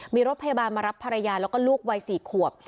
มีรถพยาบาลมารับภรรยาแล้วก็ลูกวัย๔ขวบ